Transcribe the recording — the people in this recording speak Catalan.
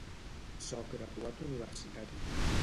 Soc graduat universitari.